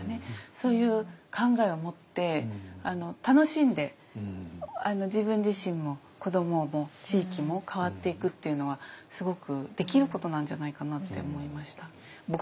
そういう考えを持って楽しんで自分自身も子どもも地域も変わっていくっていうのはすごくできることなんじゃないかなって思いました。